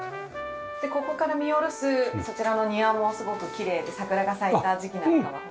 ここから見下ろすそちらの庭もすごくきれいで桜が咲いた時季なんかは。